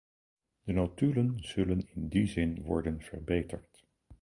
De notulen zullen in die zin worden verbeterd.